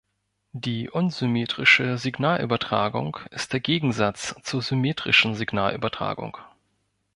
Die unsymmetrische Signalübertragung ist der Gegensatz zur symmetrischen Signalübertragung.